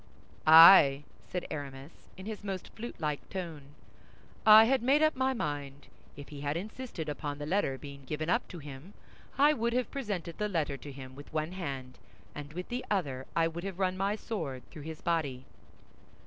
"I," said Aramis, in his most flutelike tone, "I had made up my mind. If he had insisted upon the letter being given up to him, I would have presented the letter to him with one hand, and with the other I would have run my sword through his body."